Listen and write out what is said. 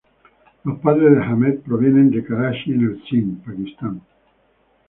Los padres de Ahmed provienen de Karachi en el Sind, Pakistán.